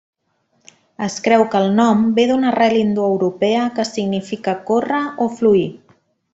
Es creu que el nom ve d'una arrel indoeuropea que significa córrer o fluir.